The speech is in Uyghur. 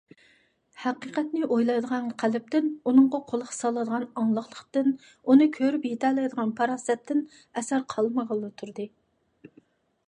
ھەقىقەتنى ئويلايدىغان قەلبتىن، ئۇنىڭغا قۇلاق سالىدىغان ئاڭلىقلىقتىن، ئۇنى كۆرۈپ يېتەلەيدىغان پاراسەتتىن ئەسەر قالمىغىلى تۇردى.